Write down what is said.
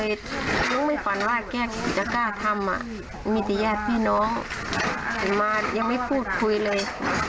ก็เลยรู้ไม่ฝันว่าแก่ศิษยากาธรรมอ่ะมีที่แยกพี่น้องมายังไม่พูดคุยเลย